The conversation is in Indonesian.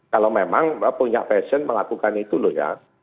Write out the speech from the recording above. kalau memang punya fashion melakukan itu loh ya